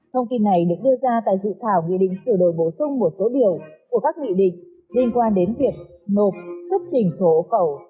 thông tin này được đưa ra tại dự thảo nghị định sửa đổi bổ sung một số điều của các nghị định liên quan đến việc nộp xuất trình sổ khẩu